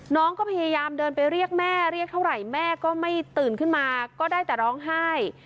น้องก็พยายามเดินไปเรียกแม่เรียกเท่าไหร่แม่ก็ไม่ตื่นขึ้นมาก็ได้แต่ร้องไห้